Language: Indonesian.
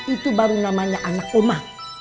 itu baru namanya anak oma